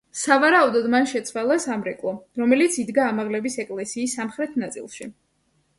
სავარაუდოდ მან შეცვალა სამრეკლო, რომელიც იდგა ამაღლების ეკლესიის სამხრეთ ნაწილში.